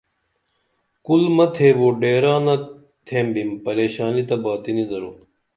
کُل مہ تِھیبو ڈیرانہ تِھمبِم پریشانی تہ باتی نی درو